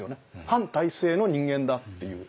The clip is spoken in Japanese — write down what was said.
反体制の人間だっていう。